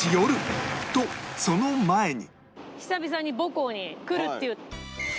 とその前に